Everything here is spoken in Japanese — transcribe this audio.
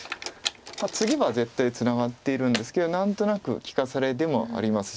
ツゲば絶対ツナがっているんですけど何となく利かされでもありますし。